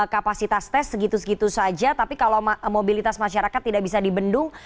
kapasitas tes segitu segitu saja tapi kalau mobilitas masyarakat tidak bisa dibendung